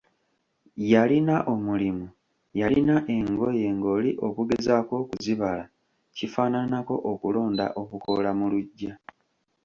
Yalina omulimu, yalina engoye ng'oli okugezaako okuzibala kifaananako okulonda obukoola mu luggya.